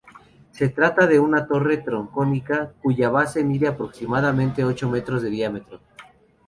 Se trata de una torre troncocónica, cuya base mide aproximadamente ocho metros de diámetro.